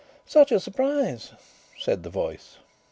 "Such a surprise!" said the voice.